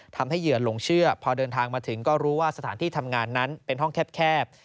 เหยื่อหลงเชื่อพอเดินทางมาถึงก็รู้ว่าสถานที่ทำงานนั้นเป็นห้องแคบ